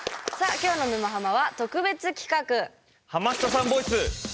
今日の「沼ハマ」は特別企画。